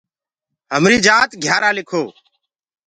همريٚ جآت گھِيآرآ لِکو۔